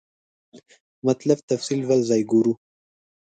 مطلب تفصیل بل ځای وګورو.